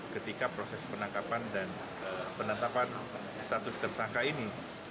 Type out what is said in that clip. ketika proses penangkapan dan penetapan status tersangka ini